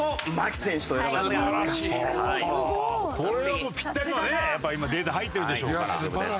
これはもうピッタリのねやっぱ今データ入ってるでしょうから。